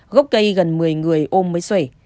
gốc cây gần một mươi người ôm mới xuể